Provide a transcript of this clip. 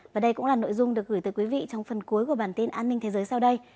và đây cũng là nội dung được gửi tới quý vị trong phần cuối của bản tin an ninh thế giới sau đây